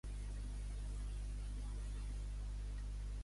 Les figues volen aigua; préssecs i meló, vi felló.